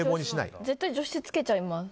絶対、除湿つけちゃいます。